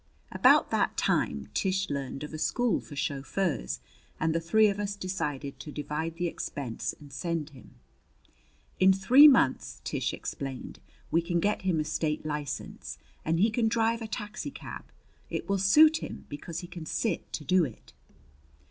About that time Tish learned of a school for chauffeurs, and the three of us decided to divide the expense and send him. "In three months," Tish explained, "we can get him a state license and he can drive a taxicab. It will suit him, because he can sit to do it."